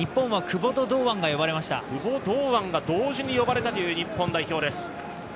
久保、堂安が同時に呼ばれたという日本代表です。